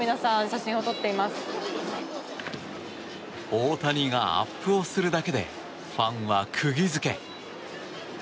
大谷がアップをするだけでファンはくぎ付け。